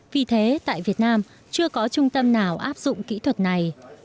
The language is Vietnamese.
vì thế tại việt nam chưa có trung tâm nào áp dụng kỹ thuật này